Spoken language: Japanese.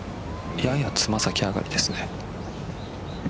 やや爪先上がりですね。